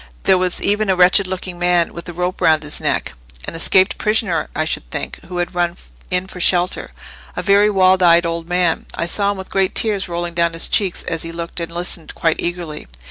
There was even a wretched looking man, with a rope round his neck—an escaped prisoner, I should think, who had run in for shelter—a very wild eyed old man: I saw him with great tears rolling down his cheeks, as he looked and listened quite eagerly."